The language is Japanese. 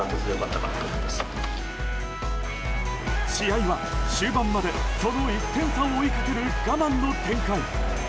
試合は終盤まで、その１点差を追いかける我慢の展開。